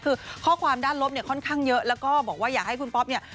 คือข้อความด้านลบเนี่ยค่อนข้างเยอะแล้วก็บอกว่าอยากให้คุณป๊อปเนี่ย